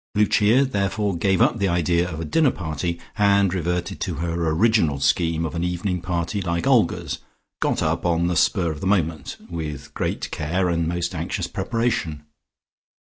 Lucia therefore gave up the idea of a dinner party, and reverted to her original scheme of an evening party like Olga's got up on the spur of the moment, with great care and most anxious preparation.